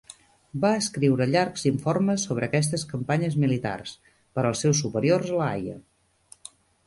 Va escriure llargs informes sobre aquestes campanyes militars per als seus superiors a l'Haia.